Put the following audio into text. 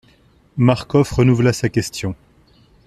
Marcof renouvela sa question.